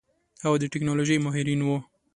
او د ټيکنالوژۍ ماهرين وو.